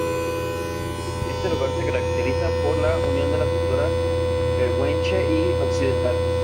Este lugar se caracteriza por la unión de la cultura pehuenche y occidental.